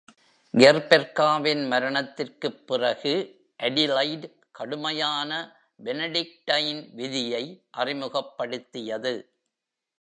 கெர்பெர்காவின் மரணத்திற்குப் பிறகு, அடிலெய்ட் கடுமையான பெனடிக்டைன் விதியை அறிமுகப்படுத்தியது.